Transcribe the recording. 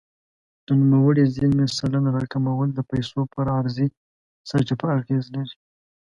د نوموړې زیرمې سلنه راکمول د پیسو پر عرضې سرچپه اغېز لري.